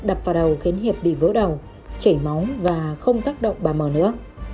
đập vào đầu khiến hiệp bị vỡ đầu chảy máu và không tác động bà mò nữa